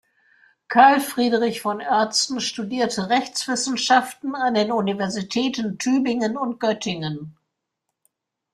Karl Friedrich von Oertzen studierte Rechtswissenschaften an den Universitäten Tübingen und Göttingen.